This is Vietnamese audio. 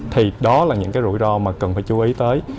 thì đó là những cái rủi ro mà cần phải chú ý tới